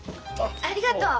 ありがとう。